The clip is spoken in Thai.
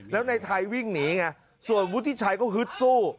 แล้วในไทยวิ่งหนีไงส่วนวุฒิชัยก็ฮึดสู้